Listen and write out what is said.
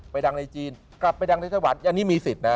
ไปดังในจีนกลับไปดังในไต้หวันอันนี้มีสิทธิ์นะ